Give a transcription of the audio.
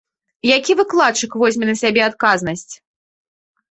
Які выкладчык возьме на сябе адказнасць?